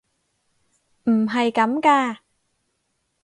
唔係咁㗎！